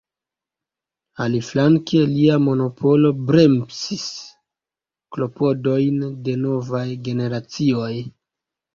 Aliflanke lia monopolo bremsis klopodojn de novaj generacioj.